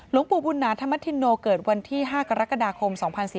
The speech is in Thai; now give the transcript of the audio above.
หลวงปู่บุญนาธรรมธินโนเกิดวันที่๕กรกฎาคม๒๔๙